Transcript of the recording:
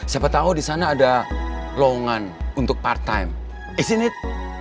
siapa tau di sana ada lowongan untuk part time isn't it